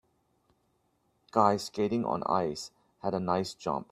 guy skating on ice had a nice jump